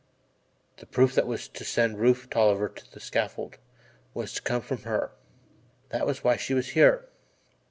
The proof that was to send Rufe Tolliver to the scaffold was to come from her that was why she was there.